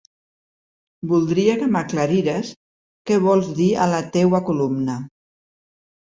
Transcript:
Voldria que m'aclarires què vols dir a la teua columna.